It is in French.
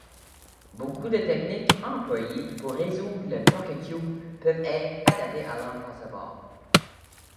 Beaucoup de techniques employées pour résoudre le Pocket Cube peuvent être adaptées à l'Impossiball.